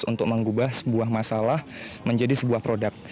untuk mengubah sebuah masalah menjadi sebuah produk